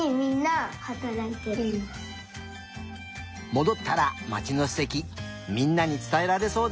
もどったらまちのすてきみんなにつたえられそうだね。